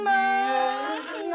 mau sini ga